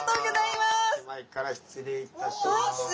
前から失礼いたします。